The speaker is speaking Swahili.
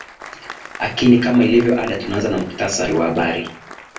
akini kama ilivyo ada tunanza na muhtasari wa habari